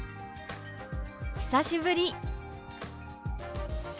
「久しぶり」。